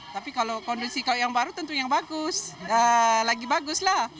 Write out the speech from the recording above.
tapi kalau kondisi yang baru tentu yang bagus lagi bagus lah